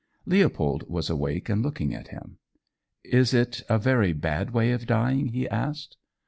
Leopold was awake and looking at him. "Is it a very bad way of dying?" he asked.